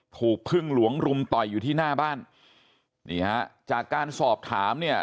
ถูกพึ่งหลวงรุมต่อยอยู่ที่หน้าบ้านนี่ฮะจากการสอบถามเนี่ย